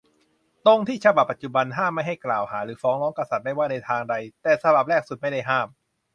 ตรงที่ฉบับปัจจุบันห้ามไม่ให้กล่าวหาหรือฟ้องร้องกษัตริย์ไม่ว่าในทางใด แต่ฉบับแรกสุดไม่ได้ห้าม